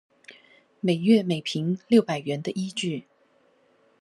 每月每坪六百元的依據